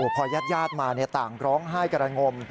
พอญาติมาต่างร้องไห้กระงม